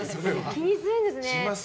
気にするんですね。